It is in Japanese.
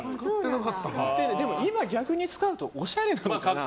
でも、今使うと逆におしゃれなのかな？